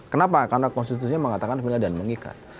kenapa karena konstitusinya mengatakan vila dan mengikat